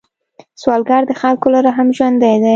سوالګر د خلکو له رحم ژوندی دی